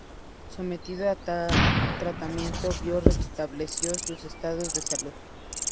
Sometido a tal tratamiento, vio restablecido su estado de salud.